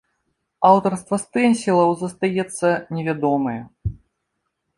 Аўтарства стэнсілаў застаецца невядомае.